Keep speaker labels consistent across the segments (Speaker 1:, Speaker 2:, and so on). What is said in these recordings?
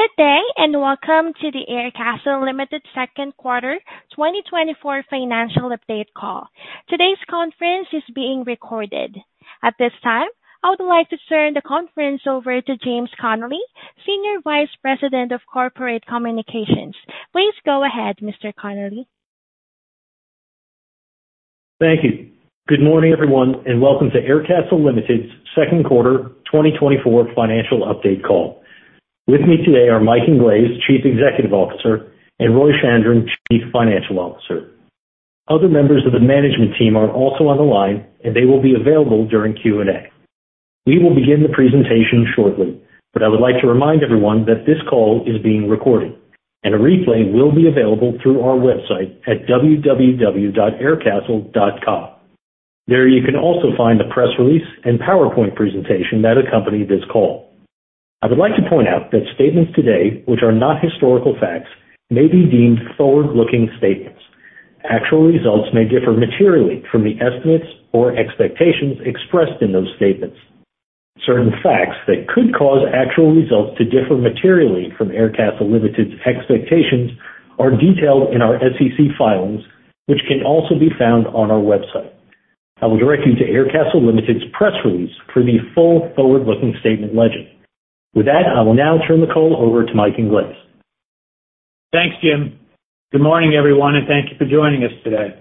Speaker 1: Good day, and welcome to the Aircastle Limited Q2 2024 Financial Update Call. Today's conference is being recorded. At this time, I would like to turn the conference over to James Connelly, Senior Vice President of Corporate Communications. Please go ahead, Mr. Connolly.
Speaker 2: Thank you. Good morning, everyone, and welcome to Aircastle Limited's Q2 2024 financial update call. With me today are Mike Inglese, Chief Executive Officer, and Roy Chandran, Chief Financial Officer. Other members of the management team are also on the line, and they will be available during Q&A. We will begin the presentation shortly, but I would like to remind everyone that this call is being recorded, and a replay will be available through our website at www.aircastle.com. There, you can also find the press release and PowerPoint presentation that accompany this call. I would like to point out that statements today, which are not historical facts, may be deemed forward-looking statements. Actual results may differ materially from the estimates or expectations expressed in those statements. Certain facts that could cause actual results to differ materially from Aircastle Limited's expectations are detailed in our SEC filings, which can also be found on our website. I would direct you to Aircastle Limited's press release for the full forward-looking statement legend. With that, I will now turn the call over to Mike Inglese.
Speaker 3: Thanks, Jim. Good morning, everyone, and thank you for joining us today.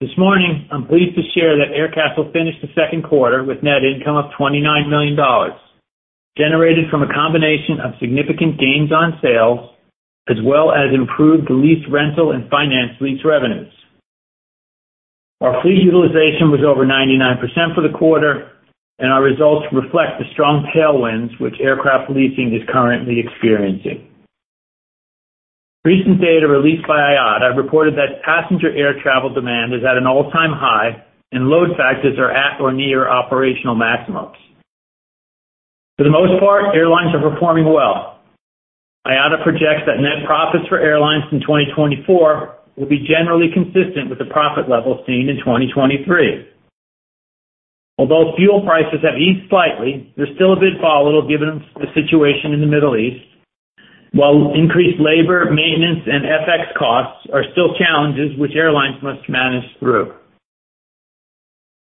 Speaker 3: This morning, I'm pleased to share that Aircastle finished the Q2 with net income of $29 million, generated from a combination of significant gains on sales, as well as improved lease, rental, and finance lease revenues. Our fleet utilization was over 99% for the quarter, and our results reflect the strong tailwinds which aircraft leasing is currently experiencing. Recent data released by IATA reported that passenger air travel demand is at an all-time high, and load factors are at or near operational maximums. For the most part, airlines are performing well. IATA projects that net profits for airlines in 2024 will be generally consistent with the profit levels seen in 2023. Although fuel prices have eased slightly, they're still a bit volatile given the situation in the Middle East, while increased labor, maintenance, and FX costs are still challenges which airlines must manage through.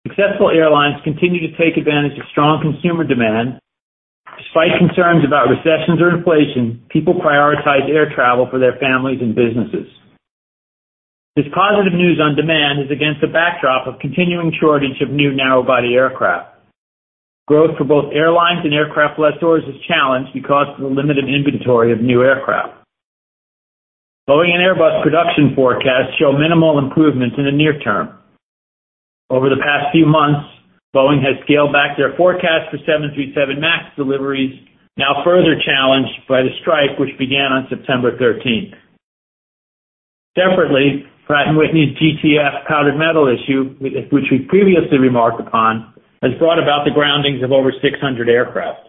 Speaker 3: Successful airlines continue to take advantage of strong consumer demand. Despite concerns about recessions or inflation, people prioritize air travel for their families and businesses. This positive news on demand is against a backdrop of continuing shortage of new narrow-body aircraft. Growth for both airlines and aircraft lessors is challenged because of the limited inventory of new aircraft. Boeing and Airbus production forecasts show minimal improvements in the near term. Over the past few months, Boeing has scaled back their forecast for 737 MAX deliveries, now further challenged by the strike, which began on September 13th. Separately, Pratt & Whitney's GTF powdered metal issue, which we previously remarked upon, has brought about the groundings of over six hundred aircraft.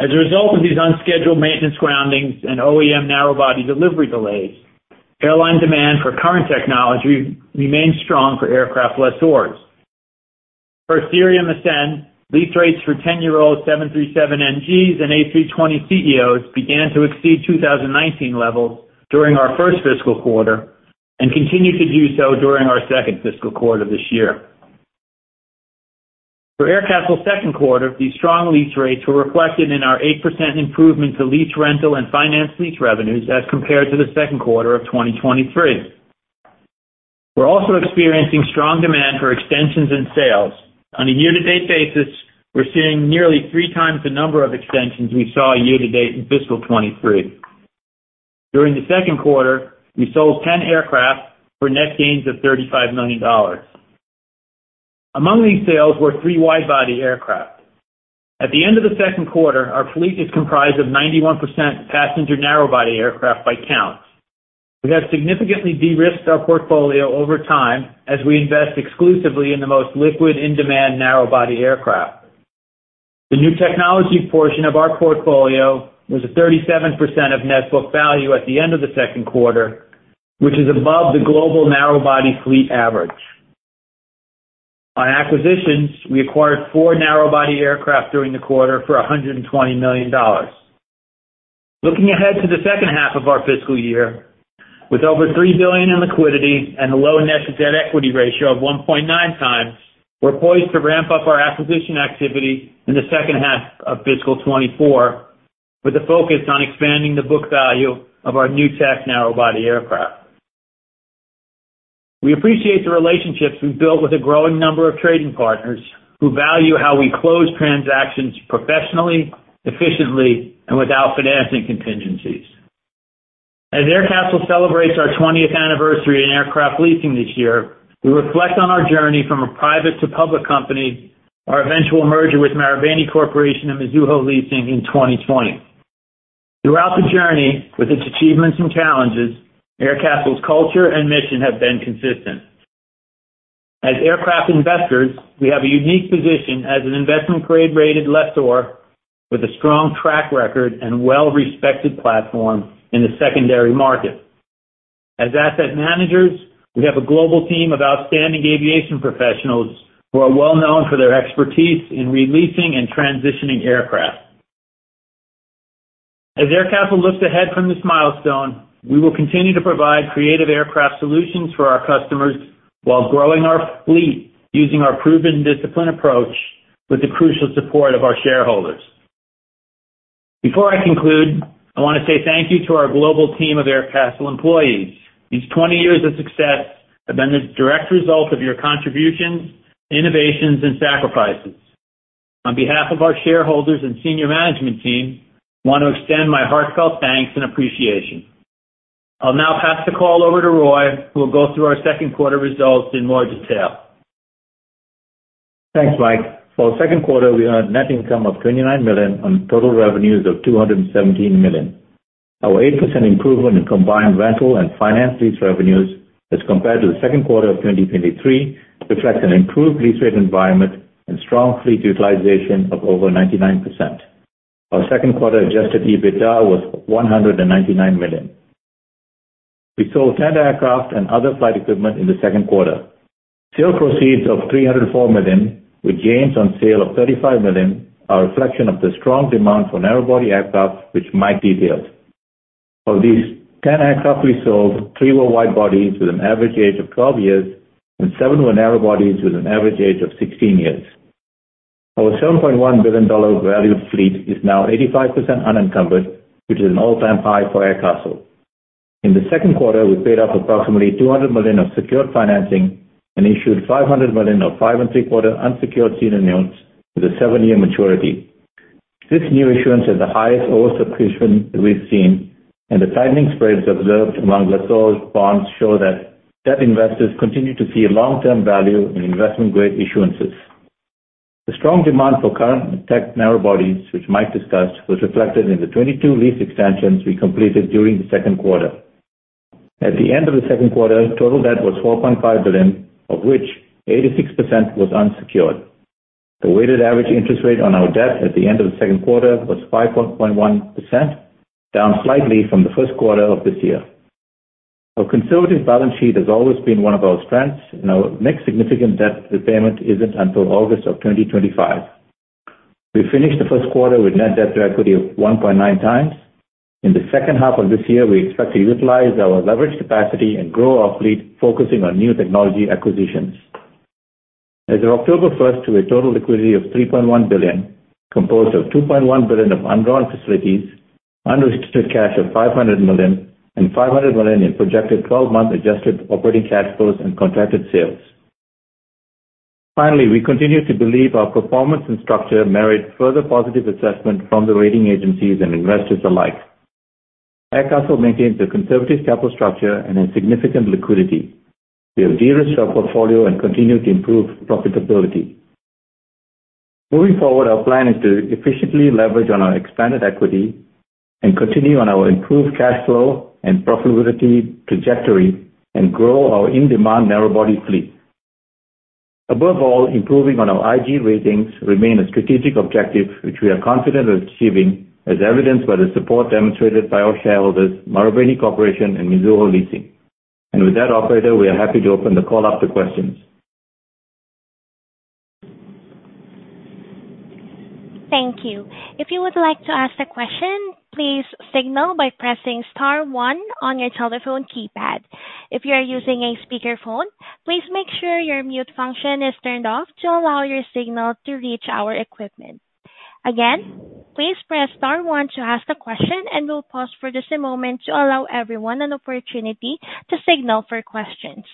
Speaker 3: As a result of these unscheduled maintenance groundings and OEM narrow-body delivery delays, airline demand for current technology remains strong for aircraft lessors. Per Cirium Ascend, lease rates for ten-year-old 737 NGs and A320ceos began to exceed 2019 levels during our first fiscal quarter and continue to do so during our second fiscal quarter this year. For Aircastle's Q2, these strong lease rates were reflected in our 8% improvement to lease rental and finance lease revenues as compared to the Q2 of 2023. We're also experiencing strong demand for extensions and sales. On a year-to-date basis, we're seeing nearly three times the number of extensions we saw year-to-date in fiscal 2023. During the Q2, we sold ten aircraft for net gains of $35 million. Among these sales were three wide-body aircraft. At the end of the Q2, our fleet is comprised of 91% passenger narrow-body aircraft by count. We have significantly de-risked our portfolio over time as we invest exclusively in the most liquid, in-demand narrow-body aircraft. The new technology portion of our portfolio was a 37% of net book value at the end of the Q2, which is above the global narrow-body fleet average. On acquisitions, we acquired four narrow-body aircraft during the quarter for $120 million. Looking ahead to the second half of our fiscal year, with over $3 billion in liquidity and a low net debt-to-equity ratio of 1.9 times, we're poised to ramp up our acquisition activity in the second half of fiscal 2024, with a focus on expanding the book value of our new tech narrow-body aircraft. We appreciate the relationships we've built with a growing number of trading partners, who value how we close transactions professionally, efficiently, and without financing contingencies. As Aircastle celebrates our twentieth anniversary in aircraft leasing this year, we reflect on our journey from a private to public company, our eventual merger with Marubeni Corporation and Mizuho Leasing in 2020. Throughout the journey, with its achievements and challenges, Aircastle's culture and mission have been consistent. As aircraft investors, we have a unique position as an investment grade-rated lessor with a strong track record and well-respected platform in the secondary market. As asset managers, we have a global team of outstanding aviation professionals who are well known for their expertise in re-leasing and transitioning aircraft. As Aircastle looks ahead from this milestone, we will continue to provide creative aircraft solutions for our customers while growing our fleet, using our proven disciplined approach with the crucial support of our shareholders. Before I conclude, I want to say thank you to our global team of Aircastle employees. These twenty years of success have been the direct result of your contributions, innovations, and sacrifices. On behalf of our shareholders and senior management team, I want to extend my heartfelt thanks and appreciation. I'll now pass the call over to Roy, who will go through our Q2 results in more detail.
Speaker 4: Thanks, Mike. For the Q2, we had net income of $29 million on total revenues of $217 million. Our 8% improvement in combined rental and finance lease revenues as compared to the Q2 of 2023 reflects an improved lease rate environment and strong fleet utilization of over 99%. Our Q2 Adjusted EBITDA was $199 million. We sold 10 aircraft and other flight equipment in the Q2. Sale proceeds of $304 million, with gains on sale of $35 million, are a reflection of the strong demand for narrow-body aircraft, which Mike detailed. Of these 10 aircraft we sold, three were wide bodies with an average age of 12 years, and seven were narrow bodies with an average age of 16 years. Our $7.1 billion valued fleet is now 85% unencumbered, which is an all-time high for Aircastle. In the Q2, we paid off approximately $200 million of secured financing and issued $500 million of 5.75% unsecured senior notes with a seven-year maturity. This new issuance is the highest oversubscription we've seen, and the tightening spreads observed among the sold bonds show that debt investors continue to see a long-term value in investment-grade issuances. The strong demand for current tech narrow bodies, which Mike discussed, was reflected in the 22 lease extensions we completed during the Q2. At the end of the Q2, total debt was $4.5 billion, of which 86% was unsecured. The weighted average interest rate on our debt at the end of the Q2 was 5.1%, down slightly from the Q1 of this year. Our conservative balance sheet has always been one of our strengths, and our next significant debt repayment isn't until August of 2025. We finished the Q1 with net debt-to-equity of 1.9 times. In the second half of this year, we expect to utilize our leverage capacity and grow our fleet, focusing on new technology acquisitions. As of October 1st, we have total liquidity of $3.1 billion, composed of $2.1 billion of undrawn facilities, unrestricted cash of $500 million, and $500 million in projected 12 month adjusted operating cash flows and contracted sales. Finally, we continue to believe our performance and structure merit further positive assessment from the rating agencies and investors alike. Aircastle maintains a conservative capital structure and has significant liquidity. We have de-risked our portfolio and continue to improve profitability. Moving forward, our plan is to efficiently leverage on our expanded equity and continue on our improved cash flow and profitability trajectory and grow our in-demand narrow body fleet. Above all, improving on our IG ratings remain a strategic objective, which we are confident of achieving, as evidenced by the support demonstrated by our shareholders, Marubeni Corporation and Mizuho Leasing. And with that, operator, we are happy to open the call up to questions.
Speaker 1: Thank you. If you would like to ask a question, please signal by pressing star one on your telephone keypad. If you are using a speakerphone, please make sure your mute function is turned off to allow your signal to reach our equipment. Again, please press star one to ask a question, and we'll pause for just a moment to allow everyone an opportunity to signal for questions.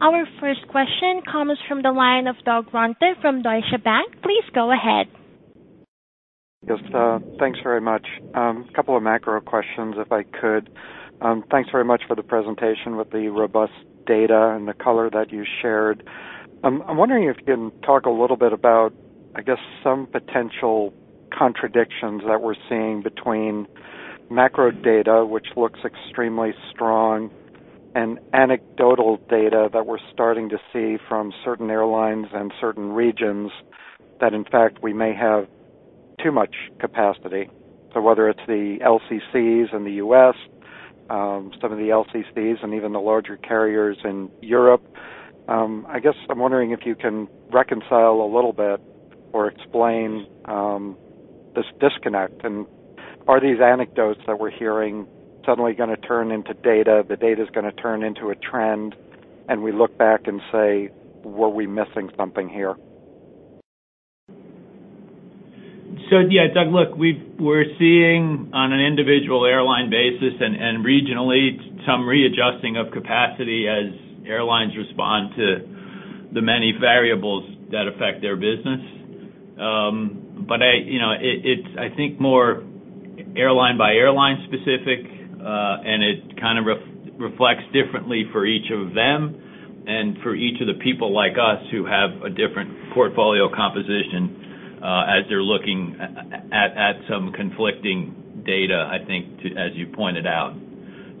Speaker 1: Our first question comes from the line of Doug Runte from Deutsche Bank. Please go ahead.
Speaker 5: Yes, thanks very much. A couple of macro questions, if I could. Thanks very much for the presentation with the robust data and the color that you shared. I'm wondering if you can talk a little bit about, I guess, some potential contradictions that we're seeing between macro data, which looks extremely strong, and anecdotal data that we're starting to see from certain airlines and certain regions, that, in fact, we may have too much capacity. So whether it's the LCCs in the U.S., some of the LCCs and even the larger carriers in Europe, I guess I'm wondering if you can reconcile a little bit or explain this disconnect? Are these anecdotes that we're hearing suddenly going to turn into data, the data is going to turn into a trend, and we look back and say, "Were we missing something here?
Speaker 3: So, yeah, Doug, look, we're seeing on an individual airline basis and regionally, some readjusting of capacity as airlines respond to the many variables that affect their business. But I, you know, it's, I think, more airline by airline specific, and it kind of reflects differently for each of them and for each of the people like us who have a different portfolio composition, as they're looking at some conflicting data, I think, too, as you pointed out.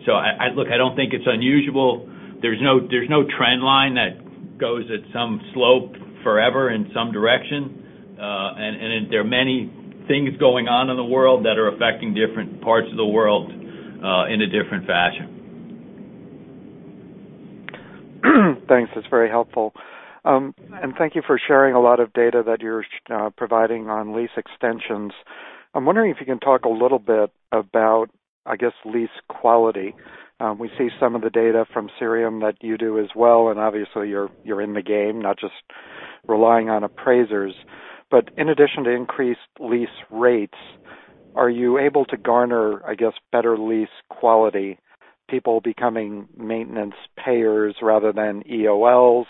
Speaker 3: So I look, I don't think it's unusual. There's no trend line that goes at some slope forever in some direction. And there are many things going on in the world that are affecting different parts of the world in a different fashion.
Speaker 5: Thanks. That's very helpful, and thank you for sharing a lot of data that you're providing on lease extensions. I'm wondering if you can talk a little bit about, I guess, lease quality. We see some of the data from Cirium that you do as well, and obviously, you're in the game, not just relying on appraisers, but in addition to increased lease rates, are you able to garner, I guess, better lease quality, people becoming maintenance payers rather than EOLs?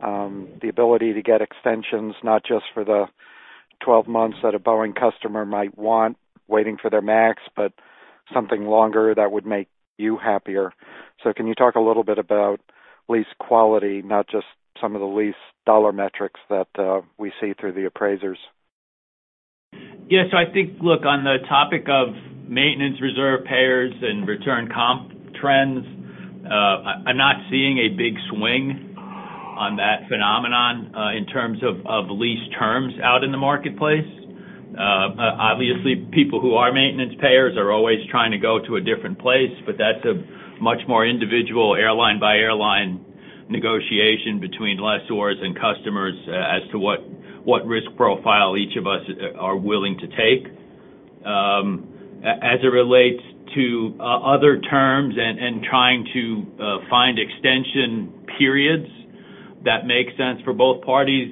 Speaker 5: The ability to get extensions, not just for the twelve months that a Boeing customer might want, waiting for their MAX, but something longer that would make you happier, so can you talk a little bit about lease quality, not just some of the lease dollar metrics that we see through the appraisers?
Speaker 3: Yes. So I think, look, on the topic of maintenance reserve payers and return comp trends, I'm not seeing a big swing on that phenomenon, in terms of lease terms out in the marketplace. Obviously, people who are maintenance payers are always trying to go to a different place, but that's a much more individual airline-by-airline negotiation between lessors and customers, as to what risk profile each of us are willing to take. As it relates to other terms and trying to find extension periods that make sense for both parties,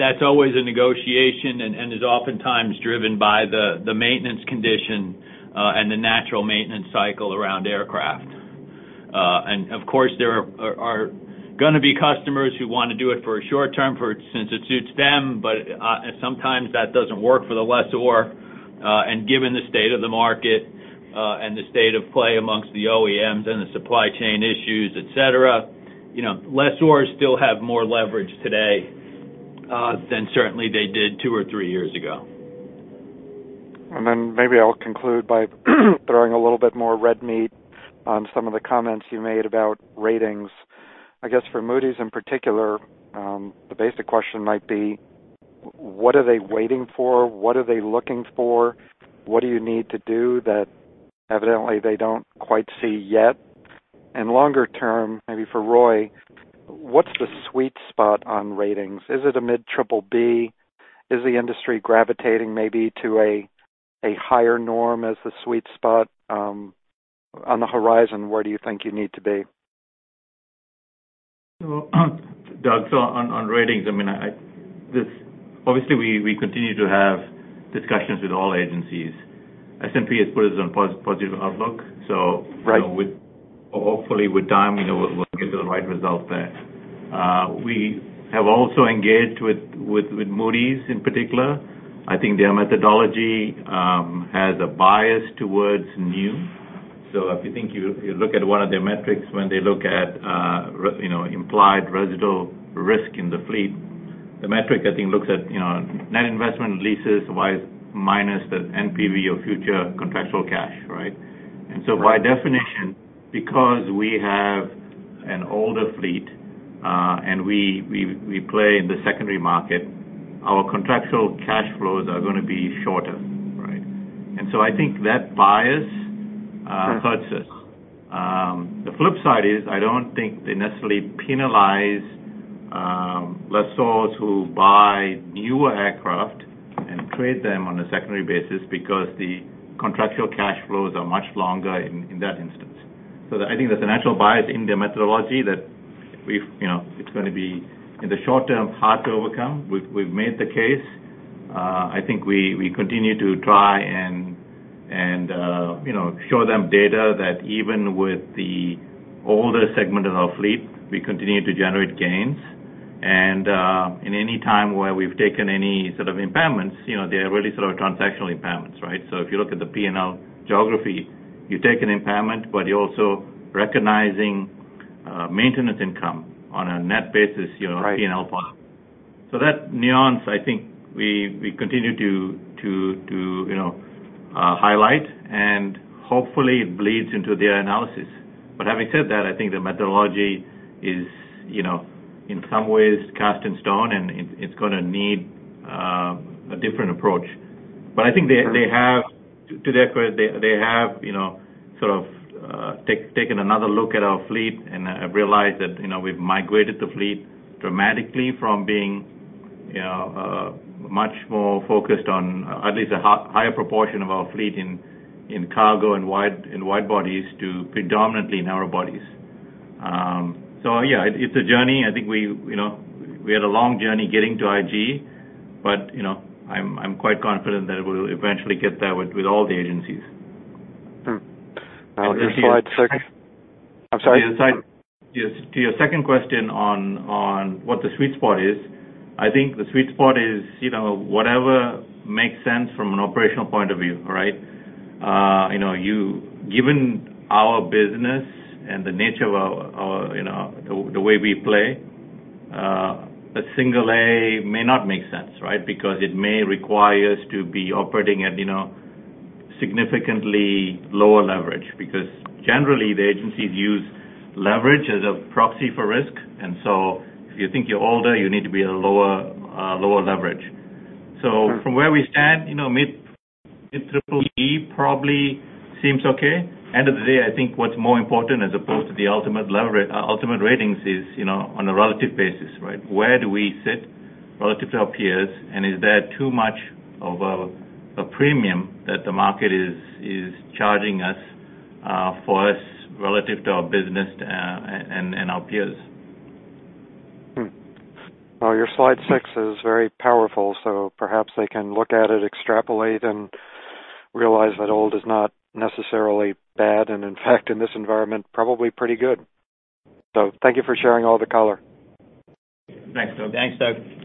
Speaker 3: that's always a negotiation and is oftentimes driven by the maintenance condition and the natural maintenance cycle around aircraft. And of course, there are gonna be customers who want to do it for a short term, since it suits them, but sometimes that doesn't work for the lessor. And given the state of the market, and the state of play amongst the OEMs and the supply chain issues, et cetera, you know, lessors still have more leverage today than certainly they did two or three years ago.
Speaker 5: And then maybe I'll conclude by throwing a little bit more red meat on some of the comments you made about ratings. I guess, for Moody's in particular, the basic question might be: What are they waiting for? What are they looking for? What do you need to do that evidently they don't quite see yet? And longer term, maybe for Roy, what's the sweet spot on ratings? Is it a mid triple B? Is the industry gravitating maybe to a higher norm as the sweet spot? On the horizon, where do you think you need to be?
Speaker 4: So, Doug, on ratings, I mean, obviously, we continue to have discussions with all agencies. S&P has put us on positive outlook, so-
Speaker 5: Right
Speaker 4: with, hopefully with time, you know, we'll get the right result there. We have also engaged with Moody's in particular. I think their methodology has a bias towards new. So if you think, you look at one of their metrics when they look at, you know, implied residual risk in the fleet, the metric, I think, looks at, you know, net investment in leases minus the NPV of future contractual cash, right?
Speaker 5: Right.
Speaker 4: And so by definition, because we have an older fleet, and we play in the secondary market, our contractual cash flows are gonna be shorter, right? And so I think that bias,
Speaker 5: Right
Speaker 4: hurts us. The flip side is, I don't think they necessarily penalize lessors who buy newer aircraft and trade them on a secondary basis because the contractual cash flows are much longer in that instance. So I think there's a natural bias in their methodology that we've, you know, it's gonna be, in the short term, hard to overcome. We've made the case. I think we continue to try and, you know, show them data that even with the older segment of our fleet, we continue to generate gains, and in any time where we've taken any sort of impairments, you know, they are really sort of transactional impairments, right? So if you look at the P&L geography, you take an impairment, but you're also recognizing maintenance income on a net basis, you know-
Speaker 5: Right
Speaker 4: P&L file. So that nuance, I think we continue to highlight, and hopefully it bleeds into their analysis. But having said that, I think the methodology is, you know, in some ways cast in stone, and it's gonna need a different approach.
Speaker 5: Sure.
Speaker 4: But I think they have, to their credit, they have, you know, sort of, taken another look at our fleet and realized that, you know, we've migrated the fleet dramatically from being, you know, much more focused on at least a higher proportion of our fleet in cargo and widebodies to predominantly narrow-bodies. So yeah, it's a journey. I think we, you know, we had a long journey getting to IG, but, you know, I'm quite confident that we'll eventually get there with all the agencies.
Speaker 5: just slide six-
Speaker 4: To your second-
Speaker 5: I'm sorry.
Speaker 4: To your second question on what the sweet spot is, I think the sweet spot is, you know, whatever makes sense from an operational point of view, right? You know, given our business and the nature of our, you know, the way we play, a single A may not make sense, right? Because it may require us to be operating at, you know, significantly lower leverage. Because generally, the agencies use leverage as a proxy for risk, and so if you think you're older, you need to be at a lower leverage.
Speaker 5: Sure.
Speaker 4: So from where we stand, you know, mid triple B probably seems okay. End of the day, I think what's more important as opposed to the ultimate ratings is, you know, on a relative basis, right? Where do we sit relative to our peers, and is there too much of a premium that the market is charging us for us, relative to our business, and our peers?
Speaker 5: Well, your slide six is very powerful, so perhaps they can look at it, extrapolate, and realize that old is not necessarily bad, and in fact, in this environment, probably pretty good. So thank you for sharing all the color.
Speaker 4: Thanks, Doug.
Speaker 3: Thanks, Doug.